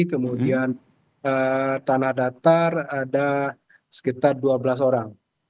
kemudian tanah datar ada sekitar dua belas orang